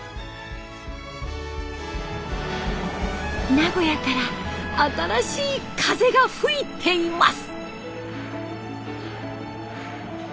名古屋から新しい風が吹いています。